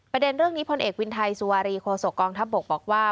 ประเด็นเรื่องนี้พลเอกวินไทยสุวารีโคศกองทัพบกบอกว่า